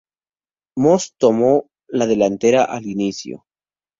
Moss tomó la delantera al inicio.